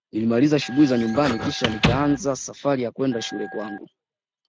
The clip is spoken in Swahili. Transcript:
Nilimaliza shughuli za nyumbani Kisha nikaanza Safari ya kwenda shule kwangu